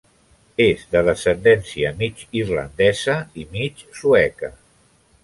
És de descendència mig irlandesa i mig sueca.